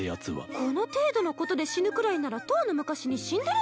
この程度のことで死ぬくらいならとうの昔に死んでるっちゃ。